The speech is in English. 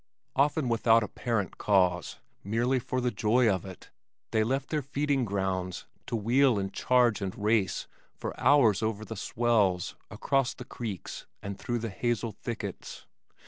Often without apparent cause, merely for the joy of it, they left their feeding grounds to wheel and charge and race for hours over the swells, across the creeks and through the hazel thickets.